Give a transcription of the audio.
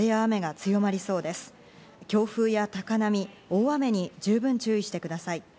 強風や高波、大雨に十分注意してください。